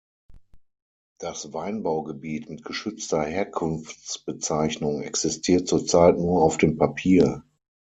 Das Weinbaugebiet mit geschützter Herkunftsbezeichnung existiert zurzeit nur auf dem Papier.